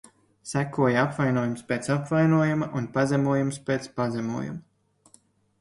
Sekoja apvainojums pēc apvainojuma un pazemojums pēc pazemojuma.